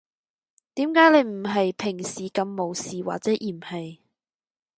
點解你唔係平時噉無視或者嫌棄